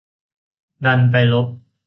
ดันไปลบ